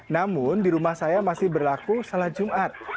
namun di rumah saya masih berlaku salat jumat